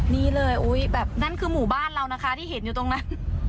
นี่เลยแบบนั่นคือหมู่บ้านเรานะคะที่เห็นอยู่ตรงนั้น